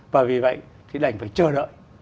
và vì vậy thì đành phải chờ đợi